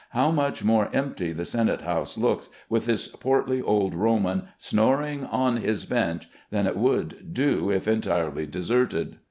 How much more empty the senate house looks, with this portly old Roman snoring on his bench, than it would do if entirely deserted!